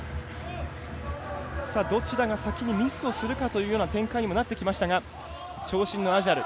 どちらが先にミスをするかという展開にもなってきましたが長身のアジャル。